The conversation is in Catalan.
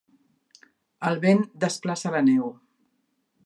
El vent desplaça la neu.